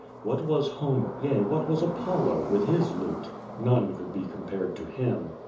What wa? Homer, yea, what was Apollo, with his lute? None could be compared to him.